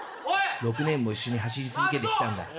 ６年も一緒に走り続けてきたんだ。